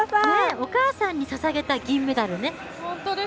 お母さんにささげた銀メダルね。